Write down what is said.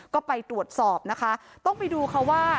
ก็ไปตรวจสอบนะคะต้องไปดูค่ะว่า